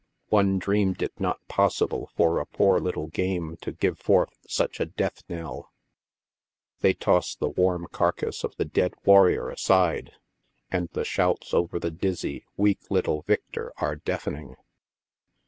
One dreamed it not possible for a poor little game to give forth such a death knell. They toss the warm carcase of the dead warrior aside, and the shouts over the dizzy, weak little victor are deafening.